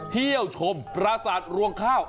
เที่ยวชมพระศาสตร์รวงข้าว